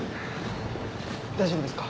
大丈夫ですか？